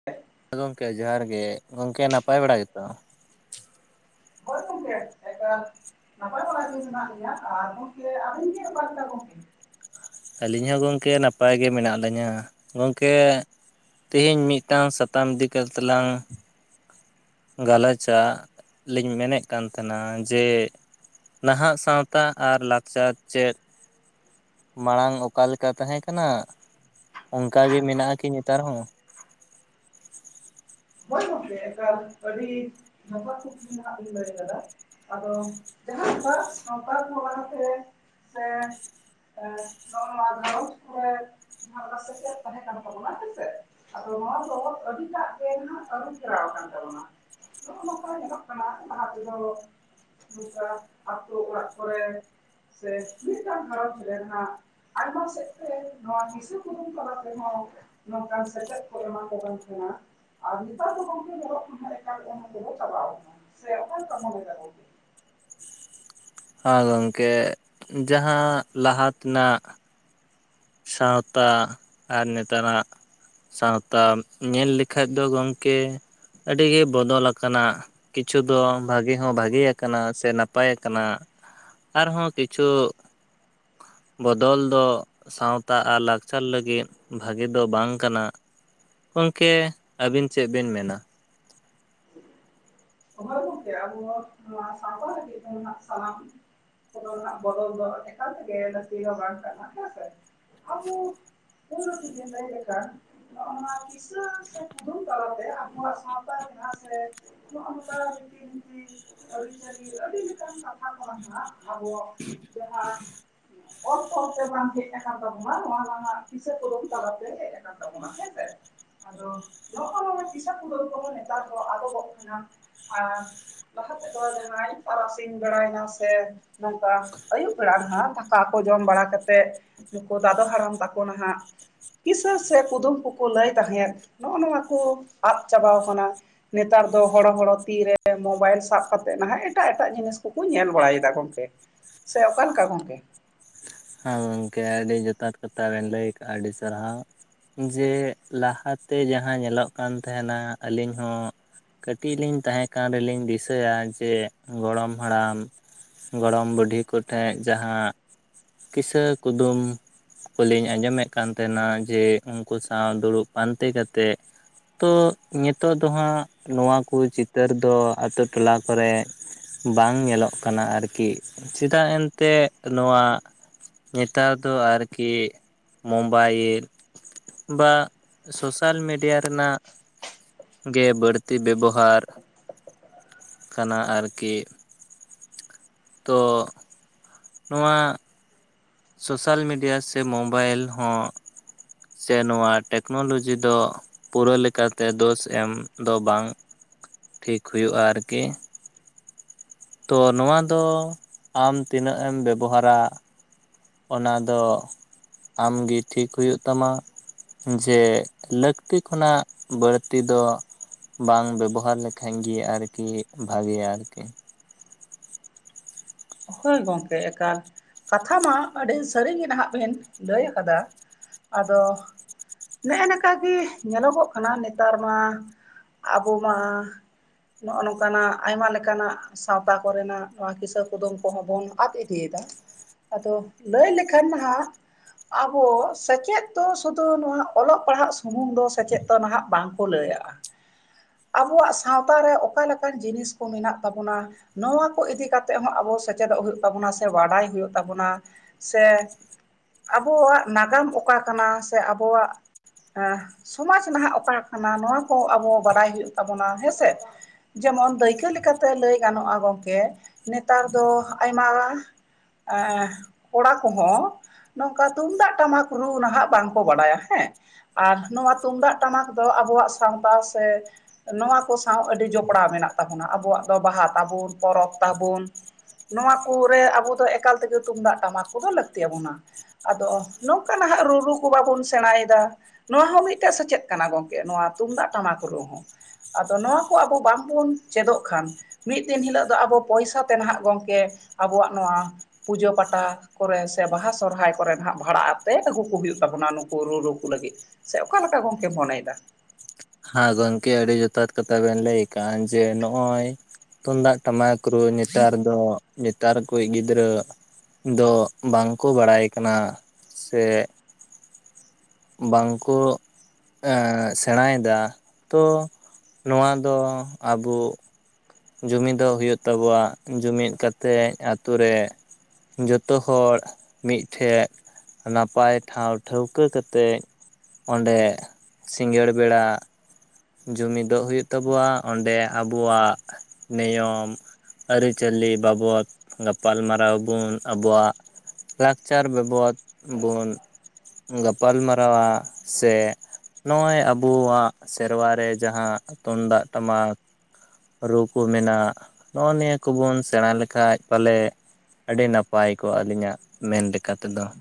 [inaudible] ᱦᱮᱸ ᱜᱚᱝᱠᱮ ᱡᱚᱦᱟᱨ ᱜᱮ ᱜᱚᱝᱠᱮ ᱱᱟᱯᱟᱭ ᱵᱟᱲᱟ ᱜᱮᱛᱚ? ᱦᱟᱭ ᱜᱚᱝᱠᱮ ᱮᱠᱟᱞ ᱱᱟᱯᱟᱭ ᱵᱟᱲᱟ ᱜᱮ ᱢᱮᱱᱟᱜ ᱞᱤᱧᱟ ᱟᱨ ᱜᱚᱝᱠᱮ ᱟᱵᱤᱱ ᱜᱮ ᱚᱠᱟ ᱞᱮᱠᱟ ᱜᱚᱝᱠᱮ ᱟᱹᱞᱤᱧ ᱦᱚᱸ ᱜᱚᱝᱠᱮ ᱱᱟᱯᱟᱭ ᱜᱮ ᱢᱮᱱᱟᱜ ᱞᱤᱧᱟᱹ ᱜᱚᱝᱠᱮ ᱛᱮᱦᱮᱧ ᱢᱤᱫᱴᱟᱝ ᱥᱟᱛᱟᱢ ᱤᱫᱤ ᱠᱟᱛᱮ ᱞᱟᱝ ᱜᱟᱞᱚᱪᱟᱜ ᱞᱤᱧ ᱢᱮᱱᱮᱫ ᱠᱟᱱ ᱛᱟᱦᱮᱸᱱᱟ ᱡᱮ ᱱᱟᱦᱟᱜ ᱥᱟᱶᱛᱟ ᱟᱨ ᱞᱟᱠᱪᱟᱨ ᱪᱮᱫ ᱢᱟᱲᱟᱝ ᱚᱠᱟ ᱞᱮᱠᱟ ᱛᱟᱦᱮᱸ ᱠᱟᱱᱟ ᱚᱱᱠᱟ ᱜᱮ ᱢᱮᱱᱟᱜᱼᱟ ᱠᱤ ᱱᱮᱛᱟᱨ ᱦᱚᱸ ᱦᱳᱭ ᱜᱚᱝᱠᱮ ᱮᱠᱟᱞ ᱟᱹᱰᱤ ᱱᱟᱯᱟᱭ ᱠᱩᱞᱤ ᱜᱮ ᱦᱟᱸᱜ ᱵᱤᱱ ᱞᱟᱹᱭ ᱟᱠᱟᱫᱟ᱾ ᱟᱫᱚ ᱡᱟᱦᱟᱸᱠᱟ ᱥᱟᱶᱛ ᱠᱚᱛᱮ ᱥᱮᱼᱼ ᱱᱚᱜ ᱱᱟ ᱜᱷᱟᱸᱨᱚᱡᱽ ᱠᱚᱨᱮ, ᱥᱟᱶᱛᱟ ᱥᱮᱪᱮᱫ ᱛᱟᱦᱮᱸ ᱠᱟᱱ ᱛᱟᱵᱚᱱᱟ ᱦᱮᱸᱥᱮ ᱟᱫᱚ ᱱᱚᱣᱟ ᱫᱚ ᱟᱹᱰᱤᱴᱟᱜ ᱜᱮ ᱱᱟᱦᱟᱜᱼᱼ ᱟᱹᱨᱩ ᱯᱷᱮᱨᱟᱣ ᱠᱟᱱ ᱛᱟᱵᱚᱱᱟ ᱱᱚᱜᱼᱚ ᱱᱚᱝᱠᱟ ᱧᱮᱞᱚᱜ ᱠᱟᱱᱟ ᱞᱟᱦᱟ ᱛᱮᱫᱚᱼᱼ ᱴᱩᱠ ᱴᱟᱜᱽ ᱟᱹᱛᱩ ᱚᱲᱟᱜ ᱠᱚᱨᱮ ᱥᱮ ᱢᱤᱫᱴᱟᱝ ᱜᱷᱟᱨᱚᱸᱡᱽ ᱨᱮ ᱨᱮᱱᱟᱜ, ᱟᱭᱢᱟ ᱥᱮᱫ ᱛᱮ ᱱᱚᱣᱟ ᱵᱤᱥᱟᱹ ᱠᱩᱫᱩᱢ ᱛᱟᱞᱟ ᱛᱮ ᱦᱚᱸᱼᱼ ᱱᱚᱝᱠᱟᱱ ᱥᱮᱪᱮᱫ ᱠᱚ ᱮᱢᱟ ᱠᱚ ᱠᱟᱱ ᱛᱟᱦᱮᱸᱱᱟ᱾ ᱟᱨ ᱱᱮᱛᱟᱨ ᱫᱚ ᱜᱚᱝᱠᱮ ᱧᱮᱞᱚᱜ ᱛᱟᱸᱦᱮᱫ ᱮᱠᱟᱞ ᱮᱢᱚᱜ ᱛᱮᱜᱮ ᱪᱟᱵᱟᱣ ᱠᱟᱱᱟ ᱥᱮ ᱚᱠᱟ ᱞᱮᱠᱟᱢ ᱢᱚᱱᱮᱭᱮᱫᱟ [unintelligible] ᱦᱮᱸ ᱜᱚᱢᱠᱮ ᱡᱟᱦᱟᱸ ᱞᱟᱦᱟ ᱛᱮᱱᱟᱜᱼᱼ ᱥᱟᱶᱛᱟ ᱟᱨ ᱱᱮᱛᱟᱨᱟᱜᱼᱼ ᱥᱟᱶᱛᱟ ᱧᱮᱞ ᱞᱮᱠᱷᱟᱡ ᱫᱚ ᱜᱚᱝᱠᱮ ᱟᱹᱰᱤᱜᱮ ᱵᱚᱫᱚᱞ ᱟᱠᱟᱱᱟ᱾ ᱠᱤᱪᱷᱩ ᱫᱚ ᱵᱷᱟᱜᱮ ᱦᱚᱸ ᱵᱷᱟᱜᱮ ᱟᱠᱟᱱᱟ ᱥᱮ ᱱᱟᱯᱟᱭ ᱟᱠᱟᱱᱟ᱾ ᱟᱨᱦᱚᱸ ᱠᱤᱪᱷᱩ ᱵᱚᱫᱚᱞ ᱫᱚᱼᱼ ᱥᱟᱶᱛᱟ ᱟᱨ ᱞᱟᱠᱪᱟᱨ ᱞᱟᱹᱜᱤᱫ ᱵᱷᱟᱜᱮ ᱫᱚ ᱵᱟᱝ ᱠᱟᱱᱟ᱾ ᱜᱚᱢᱠᱮ ᱟᱹᱵᱤᱱ ᱪᱮᱫ ᱵᱤᱱ ᱢᱮᱱᱟ᱾ ᱦᱳᱭ ᱜᱳᱢᱠᱮ ᱟᱵᱚ ᱱᱚᱣᱟ ᱥᱟᱶᱛᱟ ᱞᱟᱹᱜᱤᱫ ᱛᱮᱫᱚ ᱦᱟᱸᱜ ᱥᱟᱱᱟᱢᱼᱼ ᱠᱚᱫᱚ ᱨᱮᱱᱟᱜ ᱵᱚᱫᱚᱞ ᱫᱚ ᱟᱹᱰᱤ ᱜᱟᱱ ᱜᱮ ᱵᱟᱝ ᱠᱟᱱᱟ ᱦᱮᱸ ᱥᱮ ᱟᱵᱚᱼᱼ ᱯᱩᱭᱞᱩ ᱛᱮᱜᱮ ᱞᱟᱹᱭ ᱟᱠᱟᱱ ᱱᱚᱜᱼᱱᱚᱣᱟ ᱠᱤᱥᱟᱹ ᱥᱮ ᱠᱩᱫᱩᱢ ᱛᱟᱞᱟᱛᱮ ᱟᱵᱚᱣᱟᱜ ᱥᱟᱶᱛᱟ ᱥᱮᱼᱼ ᱱᱚᱜ ᱱᱚᱝᱠᱟ ᱵᱤᱱᱛᱤ ᱟᱹᱨᱤᱪᱞᱤ ᱟᱹᱰᱤ ᱞᱮᱠᱟᱱ ᱠᱟᱛᱷᱟ ᱠᱚ [unintelligible] ᱟᱵᱚᱣᱟ ᱡᱟᱦᱟᱸ ᱚᱞ ᱛᱚᱞᱼᱼ ᱥᱮ ᱵᱟᱝ ᱦᱮᱡ ᱟᱠᱟᱱ ᱛᱟᱵᱚᱱᱟ ᱱᱚᱣᱟ ᱨᱮᱱᱟᱜ ᱨᱮᱱᱟᱜ ᱫᱤᱥᱟᱹ ᱠᱚᱫᱚᱢ ᱛᱟᱞᱟᱛᱮ ᱦᱮᱡ ᱟᱠᱟᱱ ᱛᱟᱵᱚᱱᱟ ᱦᱮᱸᱥᱮᱼᱼ ᱟᱫᱚ ᱱᱚᱜᱼᱚᱭ ᱱᱚᱣᱟ ᱠᱤᱥᱟ ᱠᱩᱫᱟᱹᱢ ᱠᱚᱠᱚ ᱱᱮᱛᱟᱨ ᱫᱚ ᱟᱴᱚᱜᱚᱜ ᱠᱟᱱᱟ᱾ ᱟᱨ ᱞᱟᱦᱟ ᱛᱮᱫᱚ ᱡᱟᱦᱟᱸᱭ ᱛᱟᱨᱟᱥᱤᱧ ᱵᱟᱲᱟᱭᱮᱱᱟ ᱥᱮᱼᱼ ᱱᱚᱝᱠᱟ ᱟᱹᱭᱩᱵ ᱵᱮᱲᱟ ᱱᱟᱦᱟᱸᱜ ᱫᱟᱠᱟ ᱠᱚ ᱡᱚᱢ ᱵᱟᱲᱟ ᱠᱟᱛᱮᱼᱼ ᱱᱩᱠᱩ ᱫᱟᱫᱚ ᱦᱟᱲᱟᱢ ᱛᱟᱠᱚ ᱱᱟᱦᱟᱸᱜᱼᱼ ᱠᱤᱥᱟᱹ ᱥᱮ ᱠᱩᱫᱩᱢ ᱠᱚᱠᱚ ᱞᱟᱹᱭ ᱛᱟᱦᱮᱸᱫ ᱱᱚᱜᱼᱚ ᱱᱚᱣᱟ ᱠᱚ ᱟᱫ ᱪᱟᱵᱟ ᱠᱟᱱᱟ᱾ ᱱᱮᱛᱟᱨ ᱫᱚ ᱦᱚᱲᱚ ᱦᱚᱲᱚᱼᱼ ᱛᱤᱨᱮ ᱢᱳᱵᱟᱭᱤᱞ ᱥᱟᱵ ᱠᱟ ᱠᱟᱛᱮᱫ ᱱᱟᱦᱟᱜ ᱮᱴᱟᱜ ᱮᱴᱟᱜ ᱡᱤᱱᱤᱥ ᱠᱚᱠᱚ ᱧᱮᱞ ᱵᱟᱲᱟᱭ ᱮᱫᱟ ᱜᱚᱢᱠᱮᱼᱼ ᱥᱮ ᱚᱠᱟᱮᱠᱟ ᱜᱚᱝᱠᱮ? ᱦᱮᱸ ᱜᱚᱝᱠᱮ ᱟᱹᱰᱤ ᱡᱚᱛᱷᱟᱛ ᱠᱟᱛᱷᱟ ᱵᱮᱱ ᱞᱟᱹᱭ ᱠᱟᱜᱼᱟ ᱟᱹᱰᱤ ᱥᱟᱨᱦᱟᱣ᱾ ᱡᱮ ᱞᱟᱦᱟᱛᱮ ᱡᱟᱦᱟᱸ ᱧᱮᱞᱚᱜ ᱠᱟᱱ ᱛᱟᱦᱮᱸᱱᱟ ᱟᱹᱞᱤᱧ ᱦᱚᱸᱼᱼ ᱠᱟᱹᱴᱤᱡ ᱞᱤᱧ ᱛᱟᱦᱮᱸ ᱠᱟᱱ ᱨᱮᱞᱤᱧ ᱫᱤᱥᱟᱹᱭᱟ ᱡᱮ ᱜᱚᱲᱚᱢ ᱦᱟᱲᱟᱢ ᱜᱚᱲᱚᱢ ᱵᱩᱰᱷᱤ ᱠᱚᱴᱷᱮᱱ ᱡᱟᱦᱟᱸᱼᱼ ᱠᱤᱥᱟᱹ ᱠᱩᱫᱩᱢ, ᱠᱚᱞᱤᱧ ᱟᱸᱡᱚᱢᱮᱫ ᱠᱟᱱ ᱛᱟᱦᱮᱱᱟ ᱡᱮ ᱩᱱᱠᱩ ᱥᱟᱶ ᱫᱩᱲᱩᱵ ᱯᱟᱱᱛᱮ ᱠᱟᱛᱮᱫ ᱛᱚ ᱱᱤᱛᱚᱜ ᱫᱚ ᱦᱟᱸᱜ ᱱᱚᱣᱟ ᱠᱚ ᱪᱤᱛᱟᱹᱨ ᱫᱚ ᱟᱛᱳ ᱴᱚᱞᱟ ᱠᱚᱨᱮᱼᱼ ᱵᱟᱝ ᱧᱮᱞᱚᱜ ᱠᱟᱱᱟ ᱟᱨᱠᱤ ᱪᱮᱫᱟᱜ ᱮᱱᱛᱜ ᱱᱚᱣᱟᱼᱼ ᱱᱮᱛᱟᱨ ᱫᱚ ᱟᱨᱠᱤ ᱢᱳᱵᱟᱭᱤᱞᱼᱼ ᱵᱟ ᱥᱳᱥᱟᱞ ᱢᱤᱰᱤᱭᱟ ᱨᱮᱱᱟᱜ ᱜᱮ ᱵᱟᱹᱲᱛᱤ ᱵᱮᱵᱚᱦᱟᱨ ᱠᱟᱱᱟ ᱟᱨᱠᱤ ᱛᱚᱼᱼ ᱱᱚᱣᱟᱼᱼ ᱥᱳᱥᱟᱞ ᱢᱤᱰᱤᱭᱟ ᱥᱮ ᱢᱳᱵᱟᱭᱤᱞ ᱦᱚᱸᱼᱼ ᱥᱮ ᱱᱚᱣᱟ ᱴᱮᱠᱱᱳᱞᱳᱡᱤ ᱫᱚ ᱯᱩᱨᱟᱹ ᱞᱮᱠᱟᱛᱮ ᱫᱳᱥ ᱮᱢ ᱫᱚ ᱵᱟᱝ ᱴᱷᱤᱠ ᱦᱩᱭᱩᱜᱼᱟ ᱟᱨᱠᱤ ᱾ ᱛᱚ ᱱᱚᱣᱟ ᱫᱚ ᱟᱢ ᱛᱤᱱᱟᱹᱜ ᱮᱢ ᱵᱮᱵᱚᱦᱟᱨᱟ ᱚᱱᱟ ᱫᱚ ᱟᱢ ᱜᱮ ᱴᱷᱤᱠ ᱦᱩᱭᱩᱜ ᱛᱟᱢᱟ ᱾ ᱡᱮ ᱞᱟᱹᱠᱛᱤ ᱠᱷᱚᱱᱟᱜ ᱵᱟᱹᱲᱛᱤ ᱫᱚ ᱵᱟᱝ ᱵᱮᱵᱚᱦᱟᱨ ᱞᱮᱠᱷᱟᱱ ᱜᱮ ᱟᱨᱠᱤ ᱵᱷᱟᱜᱮᱭᱟ ᱟᱨᱠᱤ ᱾ ᱦᱳᱭ ᱜᱚᱝᱠᱮ ᱮᱠᱟᱞ, ᱠᱟᱛᱷᱟ ᱢᱟ ᱟᱹᱰᱤ ᱥᱟᱹᱨᱤᱜ ᱜᱮ ᱱᱟᱼᱦᱟᱸᱜ ᱵᱤᱱ ᱞᱟᱹᱭ ᱟᱠᱟᱫᱟ ᱾ ᱟᱫᱚ ᱱᱮᱜᱼᱮ ᱱᱝᱠᱟ ᱜᱮ ᱧᱮᱞᱚᱜᱚᱜ ᱠᱟᱱᱟ ᱱᱮᱛᱟᱨ ᱢᱟ ᱟᱵᱚ ᱢᱟ ᱱᱚᱜᱼᱚ ᱱᱚᱝᱠᱟᱱᱟᱜ ᱟᱭᱢᱟ ᱞᱮᱠᱟᱱᱟᱜ ᱥᱟᱶᱛᱟ ᱠᱚ ᱨᱮᱱᱟᱜ ᱱᱚᱣᱟ ᱠᱤᱥᱟᱹ ᱠᱩᱫᱩᱢ ᱠᱚᱦᱚᱸ ᱵᱚᱱ ᱟᱫ ᱤᱫᱤᱭᱮᱫᱟ, ᱟᱫᱚ ᱞᱟᱹᱭ ᱞᱮᱠᱷᱟᱱ ᱱᱟᱼᱦᱟᱸᱜ ᱟᱵᱚ ᱥᱮᱪᱮᱫ ᱫᱚ ᱥᱩᱫᱩ ᱱᱚᱣᱟ ᱚᱞᱚᱜ ᱯᱟᱲᱦᱟᱜ ᱥᱩᱢᱩᱝ ᱫᱚ ᱥᱮᱪᱮᱫ ᱫᱚ ᱱᱟᱼᱦᱟᱸᱜ ᱵᱟᱝᱠᱚ ᱞᱟᱹᱭᱟᱜᱼᱟ ᱾ ᱟᱵᱚᱣᱟᱜ ᱥᱟᱶᱛᱟ ᱨᱮ ᱚᱠᱟ ᱞᱮᱠᱟᱱ ᱡᱤᱱᱤᱥ ᱠᱚ ᱢᱮᱱᱟᱜ ᱛᱟᱵᱚᱱᱟ ᱱᱚᱣᱟ ᱠᱚ ᱤᱫᱤ ᱠᱟᱛᱮ ᱦᱚᱸ ᱟᱵᱚ ᱥᱮᱪᱮᱫᱚᱜ ᱦᱩᱭᱩᱜ ᱛᱟᱵᱚᱱᱟ, ᱥᱮ ᱵᱟᱰᱟᱭ ᱦᱩᱭᱩᱜ ᱛᱟᱵᱚᱱᱟ, ᱥᱮ ᱟᱵᱚᱣᱟᱜ ᱱᱟᱜᱟᱢ ᱚᱠᱟ ᱠᱟᱱᱟ ᱥᱮ ᱟᱵᱚᱣᱟᱜ ᱮᱸ ᱥᱚᱢᱟᱡ ᱱᱟᱦᱟᱜ ᱚᱠᱟ ᱠᱟᱱᱟ ᱱᱚᱣᱟ ᱠᱚ ᱟᱵᱚ ᱵᱟᱰᱟᱭ ᱦᱩᱭᱩᱜ ᱛᱟᱵᱚᱱᱟ ᱦᱮᱸᱥᱮ ᱾ ᱡᱮᱢᱚᱱ ᱫᱟᱹᱭᱠᱟᱹ ᱞᱮᱠᱟᱛᱮ ᱞᱟᱹᱭ ᱜᱟᱱᱚᱜᱼᱟ ᱜᱚᱝᱠᱮ ᱱᱮᱛᱟᱨ ᱫᱚ ᱟᱭᱢᱟ ᱮᱸᱻ ᱠᱚᱲᱟ ᱠᱚᱦᱚᱸ ᱱᱚᱝᱠᱟ ᱛᱩᱢᱫᱟᱜ ᱴᱟᱢᱟᱠ ᱨᱩ ᱱᱟᱦᱟᱜ ᱵᱟᱝᱠᱚ ᱵᱟᱲᱟᱭᱟ ᱦᱮᱸ ᱾ ᱟᱨ ᱱᱚᱣᱟ ᱛᱩᱢᱫᱟᱜ ᱴᱟᱢᱟᱠ ᱫᱚ ᱟᱵᱚᱣᱟᱜ ᱥᱟᱶᱛᱟ ᱥᱮ ᱱᱚᱣᱟ ᱠᱚ ᱥᱟᱶ ᱟᱹᱰᱤ ᱡᱚᱯᱲᱟᱣ ᱢᱮᱱᱟᱜ ᱛᱟᱵᱚᱱᱟ ᱾ ᱟᱵᱩᱣᱟᱜ ᱫᱚ ᱵᱟᱦᱟ ᱛᱟᱵᱩᱱ, ᱯᱚᱨᱚᱵᱽ ᱛᱟᱵᱩᱱ ᱱᱚᱣᱟ ᱠᱚᱨᱮ ᱟᱵᱚ ᱫᱚ ᱮᱠᱟᱞ ᱛᱮᱜᱮ ᱛᱩᱢᱫᱟᱜ ᱴᱟᱢᱟᱠ ᱠᱚᱫᱚ ᱞᱟᱹᱠᱛᱤ ᱟᱵᱚᱱᱟ ᱾ ᱟᱫᱚ ᱱᱚᱝᱠᱟ ᱱᱟᱦᱟᱜ ᱨᱩᱨᱩ ᱠᱚ ᱵᱟᱵᱚᱱ ᱥᱮᱸᱲᱟᱭᱮᱫᱟ ᱾ ᱱᱚᱣᱟ ᱦᱚᱸ ᱢᱤᱫᱴᱮᱡ ᱥᱮᱪᱮᱫ ᱠᱟᱱᱟ ᱜᱚᱝᱠᱮ, ᱱᱚᱣᱟ ᱛᱩᱢᱫᱟᱜ ᱴᱟᱢᱟᱠ ᱨᱩ ᱦᱚᱸ ᱾ ᱟᱫᱚ ᱱᱚᱣᱟ ᱠᱚ ᱟᱵᱚ ᱵᱟᱝᱵᱩᱱ ᱪᱮᱫᱚᱜ ᱠᱷᱟᱱ ᱢᱤᱫ ᱫᱤᱱ ᱦᱤᱞᱳᱜ ᱫᱚ ᱟᱵᱚ ᱯᱚᱭᱥᱟ ᱛᱮ ᱦᱟᱸᱜ ᱜᱚᱝᱠᱮ ᱟᱵᱚᱣᱟᱜ ᱱᱚᱣᱟ ᱯᱩᱡᱟᱹ ᱯᱟᱴᱟ ᱠᱚᱨᱮ ᱥᱮ ᱵᱟᱦᱟ ᱥᱚᱨᱦᱟᱭ ᱠᱚᱨᱮ ᱱᱟᱦᱟᱜ ᱵᱷᱟᱲᱟ ᱟᱛᱮ ᱟᱹᱜᱩ ᱠᱚ ᱦᱩᱭᱩᱜ ᱛᱟᱵᱚᱱᱟ ᱱᱩᱠᱩ ᱨᱩ ᱨᱩ ᱠᱚ ᱞᱟᱹᱜᱤᱫ ᱾ ᱥᱮ ᱚᱠᱟ ᱞᱮᱠᱟ ᱜᱚᱝᱠᱮᱢ ᱢᱚᱱᱮᱭᱮᱫᱟ? ᱦᱮᱸ ᱜᱚᱝᱠᱮ, ᱟᱹᱰᱤ ᱡᱚᱛᱷᱟᱛ ᱠᱟᱛᱷᱟ ᱵᱮᱱ ᱞᱟᱹᱭ ᱟᱠᱟᱫ ᱡᱮ ᱱᱚᱜᱼᱚᱭ ᱛᱩᱢᱫᱟᱜ ᱴᱟᱢᱟᱠ ᱨᱩ ᱱᱮᱛᱟᱨ ᱫᱚ ᱱᱮᱛᱟᱨ ᱠᱚᱭᱤᱡ ᱜᱤᱫᱽᱨᱟᱹ ᱫᱚ ᱵᱟᱝ ᱠᱚ ᱵᱟᱲᱟᱭ ᱠᱟᱱᱟ ᱥᱮ ᱵᱟᱝᱠᱚ ᱮᱸ ᱥᱮᱸᱲᱟᱭᱮ ᱫᱟ ᱛᱚ ᱱᱚᱣᱟ ᱫᱚ ᱟᱵᱚ ᱡᱩᱢᱤᱫᱚᱜ ᱦᱩᱭᱩᱜ ᱛᱟᱵᱚᱣᱟ ᱡᱩᱢᱤᱫ ᱠᱟᱛᱮ ᱟᱛᱩ ᱨᱮ ᱡᱚᱛᱚ ᱦᱚᱲ ᱢᱤᱫᱴᱷᱮᱡ ᱱᱟᱯᱟᱭ ᱴᱷᱟᱶ ᱴᱷᱟᱹᱣᱠᱟᱹ ᱠᱟᱛᱮ ᱚᱸᱰᱮ ᱥᱤᱸᱜᱟᱹᱲ ᱵᱮᱲᱟ ᱡᱩᱢᱤᱫᱚᱜ ᱦᱩᱭᱩᱜ ᱛᱟᱵᱚᱣᱟ ᱚᱸᱰᱮ ᱟᱵᱚᱣᱟᱜ ᱱᱤᱭᱚᱢ ᱟᱹᱨᱤᱪᱟᱹᱞᱤ ᱵᱟᱵᱚᱫ ᱜᱟᱯᱟᱞᱢᱟᱨᱟᱣ ᱵᱚᱱ ᱟᱵᱚᱣᱟᱜ ᱞᱟᱠᱪᱟᱨ ᱵᱟᱵᱚᱫ ᱵᱚᱱ ᱜᱟᱯᱟᱞ ᱢᱟᱨᱟᱣᱟ ᱥᱮ ᱱᱚᱜᱼᱚᱭ ᱟᱵᱚᱣᱟᱜ ᱥᱮᱨᱣᱟ ᱨᱮ ᱡᱟᱦᱟᱸ ᱛᱩᱢᱫᱟᱜ ᱴᱟᱢᱟᱠ ᱨᱩ ᱠᱚ ᱢᱮᱱᱟᱜ ᱱᱚᱜᱼᱚᱭ ᱱᱤᱭᱟᱹ ᱠᱚᱵᱚᱱ ᱥᱮᱸᱲᱟ ᱞᱮᱠᱷᱟᱡ ᱯᱟᱞᱮᱫ ᱟᱹᱰᱤ ᱱᱟᱯᱟᱭ ᱠᱚᱜᱼᱟ ᱟᱹᱞᱤᱧᱟᱜ ᱢᱮᱱ ᱞᱮᱠᱟ ᱛᱮᱫᱚ ᱾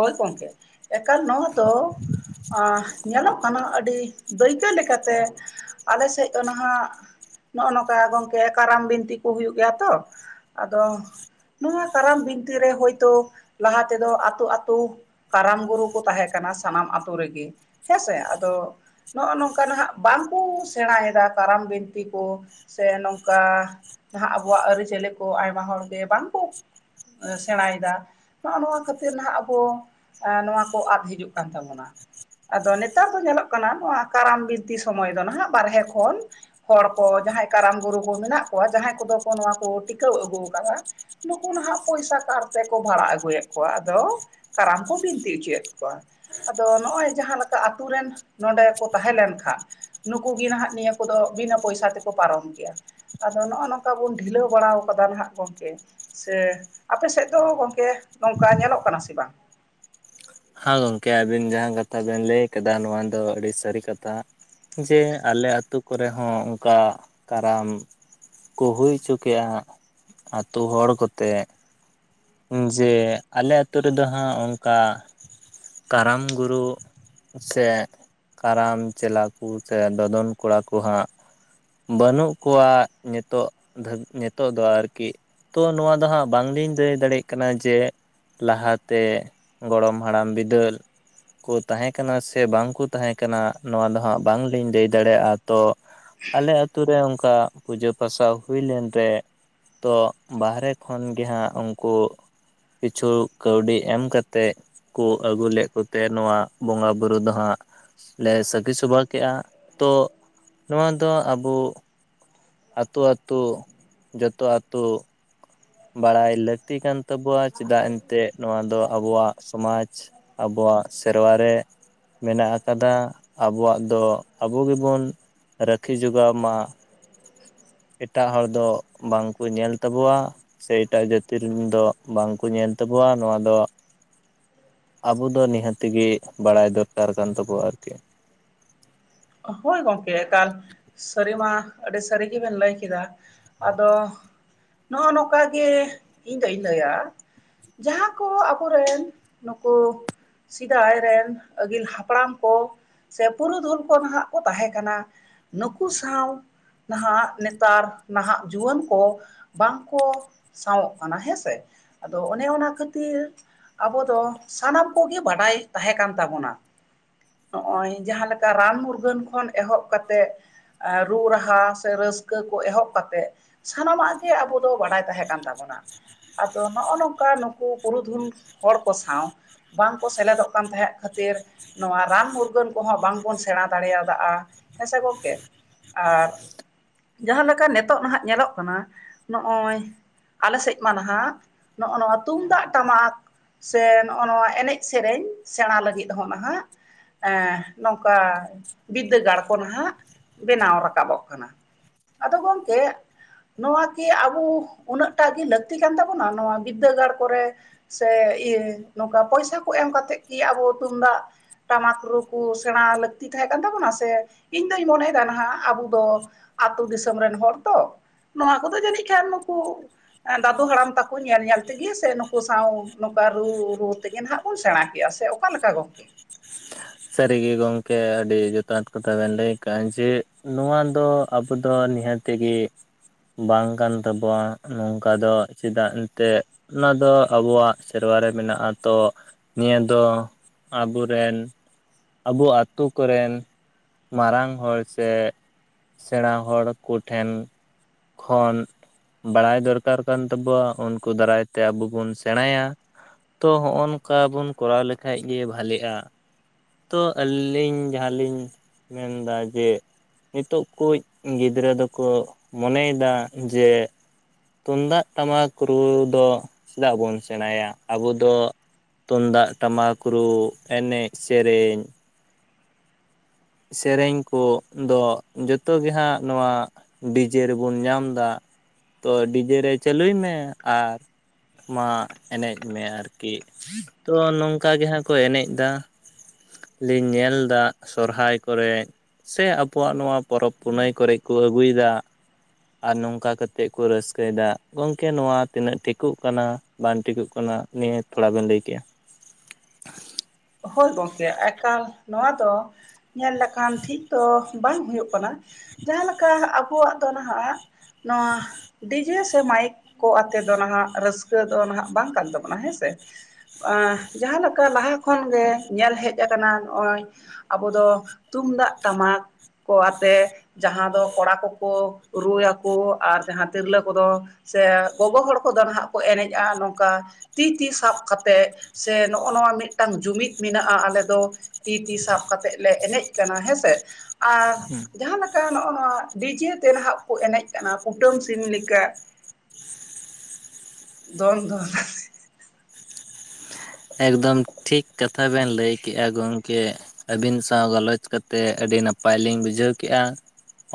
ᱦᱳᱭ ᱜᱚᱝᱠᱮ, ᱮᱠᱟᱞ ᱱᱚᱣᱟ ᱫᱚ ᱟ ᱧᱮᱞᱚᱜ ᱠᱟᱱᱟ ᱟᱹᱰᱤᱼᱼ ᱫᱟᱹᱭᱠᱟᱹ ᱞᱮᱠᱟᱛᱮ, ᱟᱞᱮ ᱥᱮᱫ ᱫᱚ ᱱᱟᱦᱟᱸᱜᱼᱼ ᱱᱚᱜᱼᱚ ᱱᱚᱝᱠᱟ ᱜᱚᱝᱠᱮ ᱠᱟᱨᱟᱢ ᱵᱤᱱᱛᱤ ᱠᱚ ᱦᱩᱭᱩᱜ ᱜᱮᱭᱟ ᱛᱚ, ᱟᱫᱚᱼᱼ ᱱᱚᱣᱟ ᱠᱟᱨᱟᱢ ᱵᱤᱱᱛᱤᱨ ᱨᱮ ᱦᱳᱭᱛᱚ, ᱞᱟᱦᱟ ᱛᱮᱫᱚ ᱟᱹᱛᱳ ᱟᱛᱼᱼ ᱟᱹᱛᱩ ᱠᱟᱨᱟᱢ ᱜᱩᱨᱩ ᱠᱚ ᱛᱟᱦᱮᱸ ᱠᱟᱱᱟ ᱥᱟᱱᱟᱢ ᱟᱛᱳ ᱨᱮᱜᱮ ᱦᱮᱸᱥᱮ, ᱟᱫᱚᱼᱼ ᱱᱚᱜᱼᱚ ᱱᱚᱝᱠᱟ ᱱᱟᱦᱟᱜ ᱵᱟᱠᱚ ᱥᱮᱬᱟᱭᱮᱫᱟ ᱠᱟᱨᱟᱢ ᱵᱤᱱᱛᱤ ᱠᱚ ᱥᱮ ᱱᱚᱝᱠᱟᱼᱼ ᱡᱟᱦᱟᱸ ᱟᱵᱚᱣᱟᱜ ᱟᱹᱨᱤᱪᱟᱹᱞᱤ ᱠᱚ ᱟᱭᱢᱟ ᱦᱚᱲ ᱜᱮ ᱵᱟᱝᱠᱩᱼᱼ ᱥᱮᱬᱟᱭᱮᱫᱟ, ᱱᱚᱜᱼᱚ ᱱᱚᱣᱟ ᱠᱷᱟᱹᱛᱤᱨ ᱱᱟᱦᱟᱜ ᱟᱵᱚᱼᱼ [inaudible] ᱟ, ᱱᱚᱣᱟ ᱠᱚ ᱟᱫ ᱦᱤᱡᱩᱜ ᱠᱟᱱ ᱛᱟᱵᱚᱱᱟ ᱾ ᱟᱫᱚ ᱱᱮᱛᱟᱨ ᱫᱚ ᱧᱮᱞᱚᱜ ᱠᱟᱱᱟ ᱱᱚᱣᱟ ᱠᱟᱨᱟᱢ ᱵᱤᱱᱛᱤ ᱥᱚᱢᱚᱭ ᱫᱚ ᱱᱟᱦᱟᱜ ᱵᱟᱨᱦᱮ ᱠᱷᱚᱱᱼᱼ ᱦᱚᱲ ᱠᱚ ᱡᱟᱦᱟᱸᱭ ᱠᱟᱨᱟᱢ ᱜᱩᱨᱩ ᱠᱚ ᱢᱮᱱᱟᱜ ᱠᱚᱣᱟ ᱡᱟᱦᱟᱸᱭ ᱠᱚᱫᱚ ᱠᱚ ᱱᱚᱣᱟ ᱠᱚ ᱴᱤᱠᱟᱹᱣ ᱟᱹᱜᱩ ᱟᱠᱟᱫᱟ ᱾ ᱱᱩᱠᱩ ᱱᱟᱦᱟᱜ ᱯᱚᱭᱥᱟ ᱠᱟᱨ ᱛᱮᱠᱚ ᱵᱷᱟᱲᱟ ᱟᱹᱜᱩᱭᱮᱫ ᱠᱚᱣᱟ, ᱟᱫᱚ ᱼᱼ ᱠᱟᱨᱟᱢ ᱠᱚ ᱵᱤᱱᱛᱤ ᱦᱚᱪᱚᱭᱮᱫ ᱠᱚᱣᱟ ᱾ ᱟᱫᱚ ᱱᱚᱜᱼᱚᱭ ᱡᱟᱦᱟᱸ ᱞᱮᱠᱟ ᱟᱛᱳ ᱨᱮᱱ ᱱᱚᱰᱮ ᱠᱚ ᱛᱟᱦᱮᱸ ᱞᱮᱱ ᱠᱷᱟᱱᱼᱼ ᱱᱩᱠᱩ ᱜᱮ ᱱᱟᱦᱟᱜ ᱱᱤᱭᱟᱹ ᱠᱚᱫᱚ ᱵᱤᱱᱟᱹ ᱯᱚᱭᱥᱟ ᱛᱮᱠᱚ ᱯᱟᱨᱚᱢ ᱜᱮᱭᱟ ᱾ ᱟᱫᱚ ᱱᱚᱜᱼᱚᱭ ᱱᱚᱝᱠᱟ ᱵᱩᱱ ᱰᱷᱤᱞᱟᱹᱣ ᱵᱟᱲᱟ ᱟᱠᱟᱫᱟ ᱱᱟᱜ ᱜᱚᱝᱠᱮ ᱾ ᱥᱮ ᱟᱯᱮ ᱥᱮᱫ ᱫᱚ ᱜᱚᱝᱠᱮ ᱱᱚᱝᱠᱟ ᱧᱮᱞᱚᱜ ᱠᱟᱱᱟ ᱥᱮ ᱵᱟᱝ? ᱦᱮᱸ ᱜᱚᱢᱠᱮ ᱟᱹᱵᱤᱱ ᱡᱟᱦᱟᱸ ᱠᱟᱛᱷᱟ ᱵᱮᱱ ᱞᱟᱹᱭ ᱟᱠᱟᱫᱟ ᱱᱚᱣᱟ ᱫᱚ ᱟᱹᱰᱤ ᱥᱟᱹᱨᱤ ᱠᱟᱛᱷᱟ ᱾ ᱡᱮ ᱟᱞᱮ ᱟᱹᱛᱩ ᱠᱚᱨᱮ ᱦᱚᱸ ᱚᱱᱠᱟ ᱠᱟᱨᱟᱢᱼᱼ ᱠᱚ ᱦᱩᱭ ᱚᱪᱚ ᱠᱮᱜᱼᱟ, ᱟᱛᱩ ᱦᱚᱲ ᱠᱚᱛᱮ ᱾ ᱡᱮ ᱟᱞᱮ ᱟᱛᱩ ᱨᱮᱫᱚ ᱦᱟᱸᱜ ᱚᱱᱠᱟ ᱠᱟᱨᱟᱢ ᱜᱩᱨᱩᱼᱼ ᱥᱮ ᱠᱟᱨᱟᱢ ᱪᱮᱞᱟ, ᱠᱚ ᱥᱮ ᱫᱚᱫᱚᱱ ᱠᱚᱲᱟ ᱠᱚ ᱦᱟᱸᱜᱼᱼ ᱵᱟᱹᱱᱩᱜ ᱠᱚᱣᱟ ᱱᱤᱛᱚᱜ ᱫᱷᱚ, ᱱᱤᱛᱚᱜ ᱫᱚ ᱟᱨᱠᱤ ᱾ ᱛᱚ ᱱᱚᱣᱟ ᱫᱚ ᱦᱟᱸᱜ ᱵᱟᱝᱞᱤᱧ ᱫᱟᱹᱭᱼᱼ ᱫᱟᱲᱮᱭᱟᱜ ᱠᱟᱱᱟ ᱡᱮ, ᱞᱟᱦᱟᱛᱮ ᱜᱚᱲᱚᱢ ᱦᱟᱲᱟᱢ ᱵᱤᱫᱟᱹᱞᱼᱼ ᱠᱚ ᱛᱟᱦᱮᱸ ᱠᱟᱱᱟ ᱥᱮ ᱵᱟᱝᱠᱚ ᱛᱟᱦᱮᱸ ᱠᱟᱱᱟ ᱱᱚᱣᱟ ᱫᱚ ᱦᱟᱸᱜ ᱵᱟᱝᱞᱤᱧ ᱞᱟᱹᱭ ᱫᱟᱲᱮᱭᱟᱜᱼᱟ ᱛᱚ ᱾ ᱟᱞᱮ ᱟᱛᱳ ᱨᱮ ᱚᱱᱠᱟ ᱯᱩᱡᱟᱹ ᱯᱟᱥᱟ ᱦᱩᱭ ᱞᱮᱱ ᱨᱮᱼᱼ ᱛᱚ ᱵᱟᱦᱨᱮ ᱠᱷᱚᱱ ᱜᱮ ᱦᱟᱸᱜ ᱩᱱᱠᱩᱼᱼ ᱠᱤᱪᱷᱩ ᱠᱟᱹᱣᱰᱤ ᱮᱢ ᱠᱟᱛᱮᱫᱼᱼ ᱠᱚ ᱟᱹᱜᱩ ᱞᱮᱫ ᱠᱚᱛᱮ ᱱᱚᱣᱟ ᱵᱚᱸᱜᱟ ᱵᱩᱨᱩ ᱫᱚ ᱦᱟᱸᱜᱼᱼ ᱞᱮ ᱥᱟᱹᱠᱷᱤ ᱥᱚᱵᱷᱟ ᱠᱮᱜᱼᱟ, ᱛᱚ ᱱᱚᱣᱟ ᱫᱚ ᱟᱵᱚᱼᱼ ᱟᱹᱛᱩ ᱟᱹᱛᱩ, ᱡᱚᱛᱚ ᱟᱹᱛᱩᱼᱼ ᱵᱟᱲᱟᱭ ᱞᱟᱹᱠᱛᱤ ᱠᱟᱱ ᱛᱟᱵᱚᱣᱟ ᱪᱮᱫᱟᱜ ᱮᱱᱛᱮᱫ ᱱᱚᱣᱟ ᱫᱚ ᱟᱵᱚᱣᱟᱜ ᱥᱚᱢᱟᱡᱽᱼᱼ ᱟᱵᱚᱣᱟᱜ ᱥᱮᱨᱣᱟ ᱨᱮᱼᱼ ᱢᱮᱱᱟᱜ ᱟᱠᱟᱫᱟ, ᱟᱵᱚᱣᱟᱜ ᱫᱚ ᱟᱵᱚ ᱜᱮᱵᱚᱱ ᱨᱟᱹᱠᱷᱤ ᱡᱚᱜᱟᱣ ᱢᱟ ᱾ ᱮᱴᱟᱜ ᱦᱚᱲ ᱫᱚ ᱵᱟᱝ ᱠᱚ ᱧᱮᱞ ᱛᱟᱵᱚᱣᱟ ᱾ ᱥᱮ ᱮᱴᱟᱜ ᱡᱟᱹᱛᱤ ᱨᱮᱱ ᱫᱚ ᱵᱟᱝᱠᱚ ᱧᱮᱞ ᱛᱟᱵᱚᱣᱟ ᱱᱚᱣᱟ ᱫᱚ ᱾ ᱟᱵᱚ ᱫᱚ ᱱᱤᱦᱟᱹᱛᱜᱮ ᱵᱟᱲᱟᱭ ᱫᱚᱨᱠᱟᱨ ᱠᱟᱱ ᱛᱟᱵᱚᱣᱟ ᱟᱨᱠᱤ ᱾ ᱦᱳᱭ ᱜᱚᱢᱠᱮ ᱮᱠᱟᱞ ᱾ ᱥᱟᱹᱨᱤ ᱢᱟ ᱟᱹᱰᱤ ᱥᱟᱹᱨᱤ ᱜᱮᱵᱤᱱ ᱞᱟᱹᱭ ᱠᱮᱫᱟ, ᱟᱫᱚᱼᱼ ᱱᱚᱜᱼᱚ ᱱᱚᱝᱠᱟ ᱜᱮ ᱤᱧ ᱫᱚᱧ ᱞᱟᱹᱭᱟᱼᱼ ᱡᱟᱦᱟᱸ ᱠᱚ ᱦᱚᱸ ᱟᱵᱚᱨᱮᱱ ᱱᱩᱠᱩᱼᱼᱟ ᱥᱮᱫᱟᱭ ᱨᱮᱱ ᱟᱹᱜᱤᱞ ᱦᱟᱯᱲᱟᱢ ᱠᱚ ᱥᱮ ᱯᱩᱨᱩᱫᱷᱩᱞᱼᱼ ᱠᱚ ᱱᱟᱦᱟᱜ ᱠᱚ ᱛᱟᱦᱮᱸ ᱠᱟᱱᱟ ᱱᱩᱠᱩ ᱥᱟᱶᱼᱼ ᱱᱟᱦᱟᱜ ᱱᱮᱛᱟᱨ ᱱᱟᱦᱟᱜ ᱡᱩᱣᱟᱹᱱ ᱠᱚ ᱵᱟᱝᱠᱚᱼᱼ ᱥᱟᱶᱚᱜ ᱠᱟᱱᱟ ᱦᱮᱸᱥᱮ ᱟᱫᱚ ᱚᱱᱮ ᱚᱱᱟ ᱠᱷᱟᱹᱛᱤᱨᱼᱼ ᱟᱵᱚ ᱫᱚ ᱥᱟᱱᱟᱢ ᱠᱚᱜᱮ ᱵᱟᱰᱟᱭ ᱛᱟᱦᱮᱸ ᱠᱟᱱ ᱛᱟᱵᱚᱱᱟ᱾ ᱱᱚᱜᱼᱚᱭ ᱡᱟᱦᱟᱸᱮ ᱞᱮᱠᱟ ᱨᱟᱱ ᱢᱩᱨᱜᱟᱹᱱ ᱠᱷᱚᱱ ᱮᱦᱚᱵ ᱠᱟ ᱠᱟᱛᱮᱜ᱾ ᱨᱩ ᱨᱟᱦᱟ ᱥᱮ ᱨᱟᱹᱥᱠᱟᱹ ᱠᱚ ᱮᱦᱚᱵ ᱠᱟᱛᱮᱫ ᱥᱟᱱᱟᱢᱟᱜ ᱜᱮ ᱟᱵᱚ ᱫᱚ ᱵᱟᱰᱟᱭ ᱛᱟᱦᱮᱸ ᱠᱟᱱ ᱛᱟᱵᱚᱱᱟ᱾ ᱟᱫᱚ ᱱᱚᱜᱼᱚ ᱱᱚᱝᱠᱟ ᱱᱩᱠᱩ ᱯᱩᱨᱩ ᱫᱷᱩᱱ ᱦᱚᱲ ᱠᱚ ᱥᱟᱶ, ᱵᱟᱝᱠᱚ ᱥᱮᱞᱮ ᱫᱚᱜ ᱠᱟᱱ ᱛᱟᱦᱮᱸᱫ ᱠᱷᱟᱹᱛᱤᱨ ᱱᱚᱣᱟ ᱨᱟᱱ ᱢᱩᱨᱜᱟᱹᱱ ᱠᱚᱦᱚᱸ ᱵᱟᱝᱵᱚᱱ ᱥᱮᱬᱟ ᱫᱟᱲᱮᱭᱟᱫᱟ ᱦᱮᱸ ᱥᱮ ᱜᱚᱢᱠᱮ ᱟᱨᱼᱼ ᱡᱟᱦᱟᱸᱮᱠᱟ ᱱᱤᱛᱚᱜ ᱱᱟᱦᱟᱜ ᱧᱮᱞᱚᱜ ᱠᱟᱱᱟ ᱱᱚᱜᱼᱚᱭ ᱟᱞᱮ ᱥᱮᱫ ᱢᱟ ᱱᱟᱦᱟᱜ ᱱᱚᱜᱼᱚ ᱱᱚᱣᱟ ᱛᱩᱢᱫᱟᱜ ᱴᱟᱢᱟᱠ ᱥᱮ ᱱᱚᱜᱼᱚ ᱱᱚᱣᱟ ᱮᱱᱮᱡ ᱥᱮᱨᱮᱧ ᱥᱮᱬᱟ ᱞᱟᱹᱜᱤᱫ ᱦᱚᱸ ᱱᱟᱦᱟᱜᱼᱼ ᱮ ᱱᱚᱝᱠᱟ ᱵᱤᱫᱽᱫᱟᱹᱜᱟᱲ ᱠᱚ ᱱᱟᱦᱟᱜ ᱵᱮᱱᱟᱣ ᱨᱟᱠᱟᱵᱚᱜ ᱠᱟᱱᱟ᱾ ᱟᱫᱚ ᱜᱚᱢᱠᱮᱼᱼ ᱱᱚᱣᱟ ᱠᱤ ᱟᱵᱚ ᱩᱱᱟᱹᱜᱴᱟᱜ ᱜᱮ ᱞᱟᱹᱠᱛᱤ ᱠᱟᱱ ᱛᱟᱵᱚᱱᱟ ᱱᱚᱣᱟ ᱵᱤᱫᱽᱫᱟᱹᱜᱟᱲ ᱠᱚᱨᱮ? ᱥᱮ ᱱᱚᱝᱠᱟ ᱯᱚᱭᱥᱟ ᱠᱚ ᱮᱢ ᱠᱟᱛᱮᱫ ᱜᱮ ᱟᱵᱚ ᱛᱩᱢᱫᱟᱜ᱾ ᱴᱟᱢᱟᱠ ᱨᱩ ᱠᱚ ᱥᱮᱬᱟ ᱞᱟᱹᱠᱛᱤ ᱛᱟᱦᱮᱸ ᱠᱟᱱ ᱛᱟᱵᱚᱱᱟ ᱥᱮ ᱤᱧ ᱫᱩᱧ ᱢᱚᱱᱮᱭᱮᱫᱟ ᱱᱟᱦᱟᱜ ᱟᱵᱚ ᱫᱚᱼᱼ ᱟᱹᱛᱩᱳ ᱫᱤᱥᱚᱢ ᱨᱮᱱ ᱦᱚᱲ ᱛᱚ ᱱᱚᱣᱟ ᱠᱚᱫᱚ ᱡᱟᱹᱱᱤᱡ ᱠᱷᱟᱱ ᱱᱩᱠᱩᱼᱼ ᱫᱟᱹᱫᱩ ᱦᱟᱲᱟᱢ ᱛᱟᱠᱚ ᱧᱮᱞ ᱧᱮᱞ ᱛᱮᱜᱮ ᱥᱮ ᱱᱩᱠᱩ ᱥᱟᱶ ᱱᱚᱝᱠᱟ ᱨᱩ ᱨᱩ ᱛᱮᱜᱮ ᱱᱟᱦᱟᱜ ᱵᱚᱱ ᱥᱮᱬᱟ ᱠᱮᱼᱟ ᱥᱮᱼᱼ ᱚᱠᱟ ᱞᱮᱠᱟ ᱜᱚᱢᱠᱮᱼᱼ ᱥᱟᱹᱨᱤᱜᱮ ᱜᱚᱢᱠᱮ ᱟᱹᱰᱤ ᱡᱚᱛᱷᱟᱛ ᱠᱟᱛᱷᱟ ᱵᱮᱱ ᱞᱟᱹᱭ ᱟᱠᱟᱫᱼᱟ ᱡᱮᱼᱼ ᱱᱚᱣᱟ ᱫᱚ ᱟᱵᱚ ᱫᱚ ᱱᱤᱦᱟᱹᱛᱜᱮᱼᱼ ᱵᱟᱝ ᱠᱟᱱ ᱛᱟᱵᱚᱣᱟ ᱱᱚᱝᱠᱟ ᱫᱚ ᱪᱮᱫᱟᱜ ᱮᱱᱛᱮᱫᱼᱼ ᱚᱱᱟ ᱫᱚ ᱟᱵᱚᱣᱟᱜ ᱥᱮᱨᱣᱟ ᱨᱮ ᱢᱮᱱᱟᱜᱼᱟ ᱛᱚ ᱱᱤᱭᱟᱹ ᱫᱚ ᱟᱵᱚᱨᱮᱱ᱾ ᱟᱵᱚ ᱟᱛᱳ ᱠᱚᱨᱮᱱ ᱢᱟᱨᱟᱝ ᱦᱚᱲ ᱥᱮᱼᱼ ᱥᱮᱬᱟ ᱦᱚᱲ ᱠᱚᱴᱷᱮᱱ ᱠᱷᱚᱱ, ᱵᱟᱲᱟᱭ ᱫᱚᱨᱠᱟᱨ ᱠᱟᱱ ᱛᱟᱵᱚᱣᱟ ᱩᱱᱠᱩ ᱫᱟᱨᱟᱭ ᱛᱮ ᱟᱵᱚ ᱵᱚᱱ ᱥᱮᱬᱟᱭᱟ᱾ ᱛᱚ ᱦᱚᱜᱼᱚᱝᱠᱟ ᱵᱚᱱ ᱠᱚᱨᱟᱣ ᱞᱮᱠᱷᱟᱡ ᱜᱮ ᱵᱷᱟᱞᱮᱜᱼᱟ᱾ ᱛᱚ ᱟᱹᱞᱤᱧ ᱡᱟᱦᱟᱸᱞᱤᱧ ᱢᱮᱱᱫᱟ ᱡᱮᱼᱼ ᱱᱤᱛᱚᱜ ᱠᱩᱡ ᱜᱤᱫᱽᱨᱟᱹ ᱫᱚᱠᱚ ᱢᱚᱱᱮᱭᱮᱫᱟ ᱡᱮᱼᱼ ᱛᱩᱢᱫᱟᱜ ᱴᱟᱢᱟᱠ ᱨᱩ ᱫᱚ ᱪᱮᱫᱟᱜ ᱵᱚᱱ ᱥᱮᱬᱟᱭᱟ ᱟᱵᱚ ᱫᱚᱼᱼ ᱛᱩᱢᱫᱟᱜ ᱴᱟᱢᱟᱠ ᱨᱩ ᱮᱱᱮᱡ ᱥᱮᱨᱮᱧ, ᱥᱮᱨᱮᱧ ᱠᱚᱫᱚ ᱡᱚᱛᱚ ᱦᱟᱸᱜ ᱱᱚᱣᱟ ᱰᱤᱡᱮ ᱨᱮᱵᱚᱱ ᱧᱟᱢᱫᱟ ᱛᱚ ᱰᱤᱡᱮ ᱨᱮ ᱪᱟᱹᱞᱩᱭ ᱢᱮ ᱟᱨᱼᱼ ᱢᱟ ᱮᱱᱮᱡ ᱢᱮ ᱟᱨᱠᱤ ᱛᱚ ᱱᱚᱝᱠᱟ ᱜᱮ ᱦᱟᱸᱜ ᱠᱚ ᱮᱱᱮᱡ ᱮᱫᱟ᱾ ᱞᱤᱧ ᱧᱮᱞ ᱮᱫᱟ ᱥᱚᱨᱚᱦᱟᱭ ᱠᱚᱨᱮ ᱥᱮ ᱟᱵᱚᱣᱟᱜ ᱱᱚᱣᱟ ᱯᱚᱨᱚᱵᱽ ᱯᱩᱱᱟᱹᱭ ᱠᱚᱨᱮ ᱠᱚ ᱟᱹᱜᱩᱭᱮᱫᱟ᱾ ᱟᱨ ᱱᱚᱝᱠᱟ ᱠᱟᱛᱮᱫ ᱠᱚ ᱨᱟᱹᱥᱠᱟᱹᱭᱮᱫᱟ ᱜᱚᱢᱠᱮ ᱱᱚᱣᱟ ᱛᱤᱱᱟᱹᱜ ᱴᱷᱤᱠᱚᱜ ᱠᱟᱱᱟᱼᱼ ᱵᱟᱝ ᱴᱤᱠᱚᱜ ᱠᱟᱱᱟ ᱱᱤᱭᱟᱹ ᱛᱷᱚᱲᱟ ᱵᱮᱱ ᱞᱟᱹᱭᱠᱮᱜᱼᱟ? ᱦᱳᱭ ᱜᱚᱝᱠᱮ ᱮᱠᱟᱞ ᱱᱚᱣᱟ ᱫᱚ ᱧᱮᱞ ᱞᱮᱠᱷᱟᱱ ᱴᱷᱤᱠ ᱫᱚᱼᱼ ᱵᱟᱝ ᱦᱩᱭᱩᱜ ᱠᱟᱱᱟ ᱡᱟᱦᱟᱸᱮᱠᱟ ᱟᱵᱚᱣᱟᱜ ᱫᱚ ᱱᱟᱦᱟᱜ ᱱᱚᱣᱟᱼᱼ ᱰᱤᱡᱮ ᱥᱮ ᱢᱟᱭᱤᱠ ᱠᱚ ᱟᱛᱮ ᱫᱚ ᱱᱟᱦᱟᱜ ᱨᱟᱹᱥᱠᱟᱹ ᱫᱚ ᱱᱟᱦᱟᱜ ᱵᱟᱝ ᱠᱟᱱ ᱛᱟᱵᱚᱱᱟ ᱦᱮᱸᱥᱮ ᱡᱟᱦᱟᱸᱮᱠᱟ ᱞᱟᱦᱟ ᱠᱷᱚᱱ ᱜᱮ ᱧᱮᱞ ᱦᱮᱡ ᱟᱠᱟᱱᱟ ᱱᱚᱜᱼᱚᱭᱼᱼ ᱟᱵᱚ ᱫᱚ ᱛᱩᱢᱫᱟᱜ ᱴᱟᱢᱟᱠ ᱠᱚ ᱟᱛᱮ ᱡᱟᱦᱟᱸ ᱫᱚ ᱠᱚᱲᱟ ᱠᱚᱠᱚ ᱨᱩᱭᱟᱠᱚ ᱟᱨ ᱡᱟᱦᱟᱸ ᱛᱤᱨᱞᱟᱹ ᱠᱚᱫᱚᱼᱼ ᱥᱮ ᱜᱚᱜᱚ ᱦᱚᱲ ᱠᱚᱫᱚ ᱱᱟᱜ ᱠᱚ ᱮᱱᱮᱡᱼᱟ ᱱᱚᱝᱠᱟ᱾ ᱛᱤ-ᱛᱤ ᱥᱟᱵ ᱠᱟᱛᱮᱫ ᱥᱮ ᱱᱚᱜᱼᱚ ᱱᱚᱣᱟ ᱢᱤᱫ ᱴᱟᱝ ᱡᱩᱢᱤᱫ ᱢᱮᱱᱟᱜᱼᱟ ᱟᱞᱮ ᱫᱚ ᱛᱤ- ᱛᱤ ᱥᱟᱵ ᱠᱟᱛᱮᱫ ᱞᱮ ᱮᱱᱮᱡ ᱠᱟᱱᱟ ᱦᱮᱸᱥᱮ ᱟᱨ ᱡᱟᱦᱟᱸ ᱞᱮᱠᱟ ᱱᱚᱜᱼᱚ ᱱᱚᱣᱟ ᱰᱤᱡᱮ ᱛᱮ ᱱᱟᱦᱟᱜ ᱠᱚ ᱮᱱᱮᱡ ᱠᱟᱱᱟ ᱠᱩᱴᱟᱹᱢ ᱥᱤᱢ ᱞᱮᱠᱟ ᱫᱚᱱ ᱫᱚᱱ ᱟᱛᱮ ᱮᱠᱫᱚᱢ ᱴᱷᱤᱠ ᱠᱟᱛᱷᱟ ᱵᱮᱱ ᱞᱟᱹᱭᱠᱮᱜᱼᱟ ᱜᱚᱝᱠᱮ ᱾ ᱟᱹᱵᱤᱱ ᱥᱟᱶ ᱜᱟᱞᱚᱪ ᱠᱟᱛᱮᱫ ᱟᱹᱰᱤ ᱱᱟᱯᱟᱭ ᱞᱤᱧ ᱵᱩᱡᱷᱟᱹᱣ ᱠᱮᱼᱟ᱾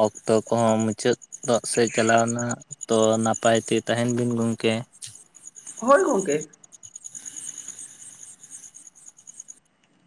ᱚᱠᱛᱚ ᱠᱚᱦᱚᱸ ᱢᱩᱪᱟᱹᱫ ᱦᱚᱜ ᱥᱮᱫ ᱪᱟᱞᱟᱣᱱᱟ ᱛᱚ ᱱᱟᱯᱟᱭ ᱛᱮ ᱛᱟᱦᱮᱱ ᱵᱤᱱ ᱜᱚᱝᱠᱮ ᱾ ᱦᱳᱭ ᱜᱚᱝᱠᱮ ᱾